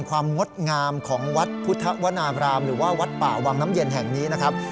งดงามของวัดพุทธวนาบรามหรือว่าวัดป่าวังน้ำเย็นแห่งนี้นะครับ